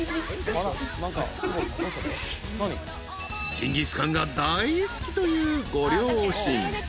［ジンギスカンが大好きというご両親］